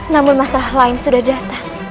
namun masalah lain sudah datang